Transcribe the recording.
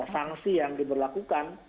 sanksi yang diberlakukan